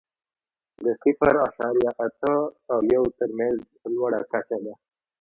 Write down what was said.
د صفر اعشاریه اته او یو تر مینځ لوړه کچه ده.